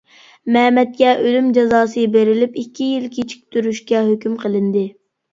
مەمەتكە ئۆلۈم جازاسى بېرىلىپ ئىككى يىل كېچىكتۈرۈشكە ھۆكۈم قىلىندى.